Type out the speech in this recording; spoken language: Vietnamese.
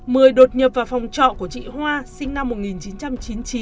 mười đột nhập vào phòng trọ của chị hoa sinh năm một nghìn chín trăm chín mươi chín